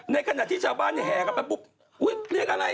ในขณะที่ชาวบ้านแห่กันไปปุ๊บอุ๊ยเรียกอะไร